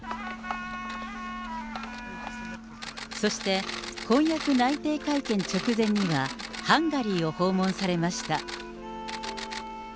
そして、婚約内定会見直前には、ハンガリーを訪問されました。